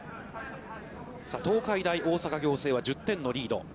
東海大大阪仰星は、１０点のリード。